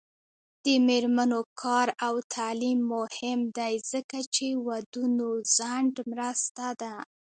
د میرمنو کار او تعلیم مهم دی ځکه چې ودونو ځنډ مرسته ده